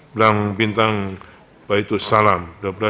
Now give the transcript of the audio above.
blang bintang baitu salam